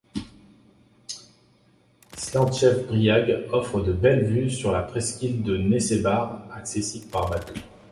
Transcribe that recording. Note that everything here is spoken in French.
Slantchev briag offre de belles vues sur la presqu'île de Nessebar accessible par bateau.